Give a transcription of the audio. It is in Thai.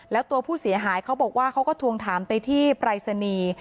แล้วตัวผู้เสียหายเขาบอกว่าเขาก็ทวงถามไปที่ปรายศนีย์